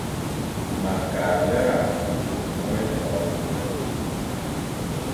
Ma kʼa lera vôm éto.